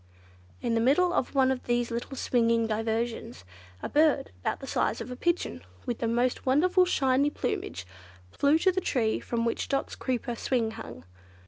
In the middle of one of these little swinging diversions, a bird about the size of a pigeon, with the most wonderfully shiny plumage, flew to the tree from which Dot's creeper swing hung.